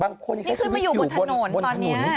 บางคนอีกแค่ชื่อวิทยุบนถนน